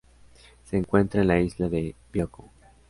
Se encuentra en la isla de Bioko.